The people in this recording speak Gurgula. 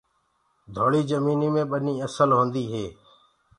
ڍوݪي جميني مي ٻني اسل هوندي هي۔